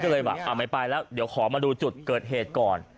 ก็เลยแบบไม่ไปแล้วเดี๋ยวขอมาดูจุดเกิดเหตุก่อน